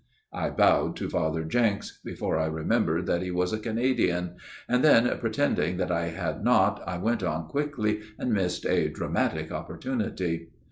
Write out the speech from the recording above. (I bowed to Father Jenks, before I remembered that he was a Canadian ; and then pretending that I had not I went on quickly, and missed a dramatic opportunity.)